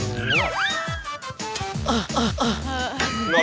พี่หลอด